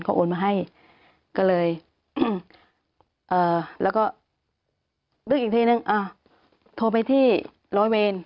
เขาโอนมาให้ก็เลยแล้วก็นึกอีกทีนึงโทรไปที่ร้อยเวร